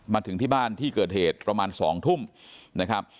มาถึงที่บ้านที่เกิดเหตุประมาณ๒ทุ่มนะครับ